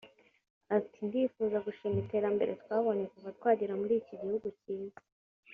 Ati “Ndifuza gushima iterambere twabonye kuva twagera muri iki gihugu cyiza